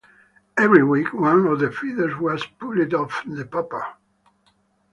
Every week one of the feathers was pulled off the puppet.